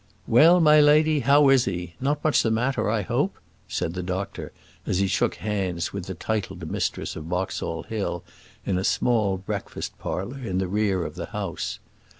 "Well, my lady, how is he? Not much the matter, I hope?" said the doctor, as he shook hands with the titled mistress of Boxall Hill in a small breakfast parlour in the rear of the house.